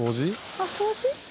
あっ掃除？